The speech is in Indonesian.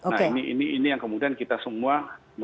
nah ini yang kemudian kita semua